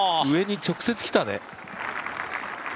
上に直接、きたね。